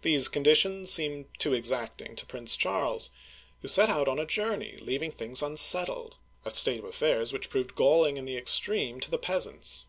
These conditions seemed too exacting to Prince Charles, who set out on a journey, leaving things unsettled, — a state of affairs which proved galling in the extreme to the peas ants.